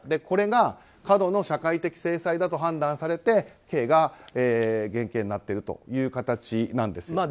これが過度の社会的制裁だと判断されて減刑になっているという形なんです。